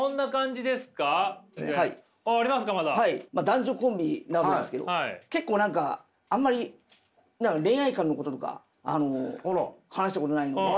男女コンビなわけですけど結構何かあんまり恋愛観のこととか話したことないので。